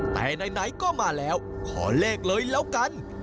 แต่ไหนก็มาแล้วขอเลขเลยแล้วกัน